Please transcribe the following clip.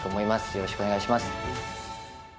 よろしくお願いします。